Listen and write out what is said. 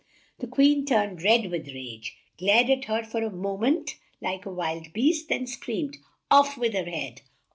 The Queen turned red with rage, glared at her for a mo ment like a wild beast, then screamed, "Off with her head!